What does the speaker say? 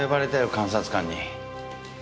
監察官に。